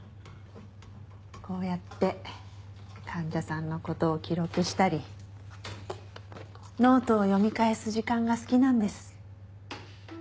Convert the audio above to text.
こうやって患者さんの事を記録したりノートを読み返す時間が好きなんです。